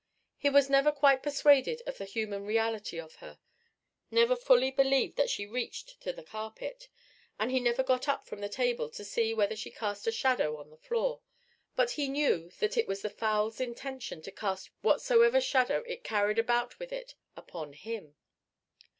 He was never quite persuaded of the human reality of her; never fully believed that she reached to the carpet: and he never got up from the table to see whether she cast a shadow on the floor; but he knew that it was the fowl's intention to cast whatsoever shadow it carried about with it upon him.